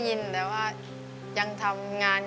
คนที่สองชื่อน้องก็เอาหลานมาให้ป้าวันเลี้ยงสองคน